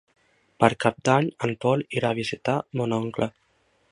Per Cap d'Any en Pol irà a visitar mon oncle.